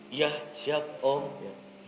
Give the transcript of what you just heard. iya siap om